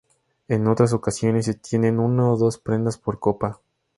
En otras ocasiones se tienen una o dos prendas por capa.